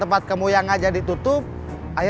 orang ranya berangkat yang super mahal